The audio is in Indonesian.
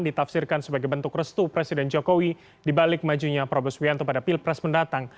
ditafsirkan sebagai bentuk restu presiden jokowi dibalik majunya prabowo subianto pada pilpres mendatang